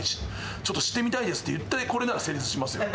「ちょっと知ってみたいです」って言ってこれなら成立しますよ。